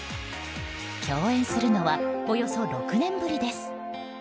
共演するのはおよそ６年ぶりです。